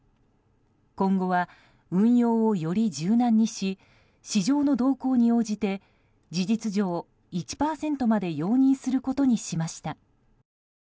今後は運用をより柔軟にし市場の動向に応じて事実上１％まで容認することにしました。